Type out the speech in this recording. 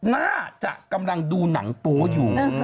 น่าจะกำลังดูหนังโป๊อยู่